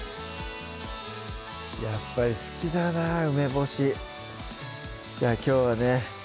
やっぱり好きだな梅干しじゃあきょうはね